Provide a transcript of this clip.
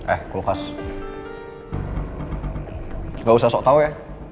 eh kulkas gak usah sok tau ya